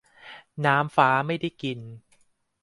'น้ำฟ้าไม่ได้กิน